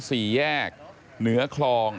สี่แยกนื้อคลอง